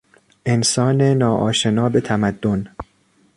انسان نا آشنا به تمدن